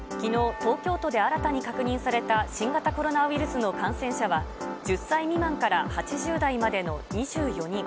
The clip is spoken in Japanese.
東京都で新たに確認された新型コロナウイルスの感染者は１０歳未満から８０代までの２４人。